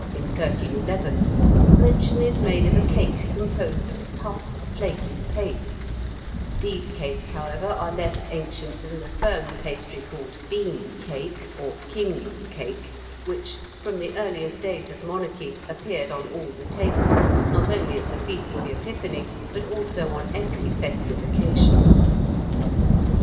] In a charter of Robert le Bouillon, Bishop of Amiens, in 1311, mention is made of a cake composed of puff flaky paste; these cakes, however, are less ancient than the firm pastry called bean cake, or king's cake, which, from the earliest days of monarchy, appeared on all the tables, not only at the feast of the Epiphany, but also on every festive occasion.